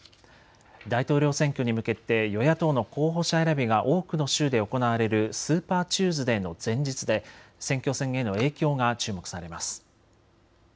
大統領選挙に向けて与野党の候補者選びが多くの州で行われるスーパーチューズデーの前日で選挙戦への影響が注目されます。